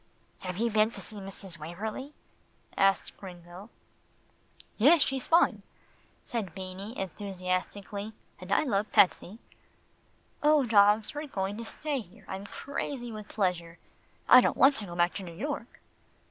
"Have you been to see Mrs. Waverlee?" asked Gringo. "Yes, she's fine," said Beanie enthusiastically, "and I love Patsie. Oh! dogs, we're going to stay here. I'm crazy with pleasure. I didn't want to go back to New York."